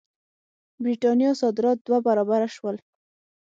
برېټانیا صادرات دوه برابره شول.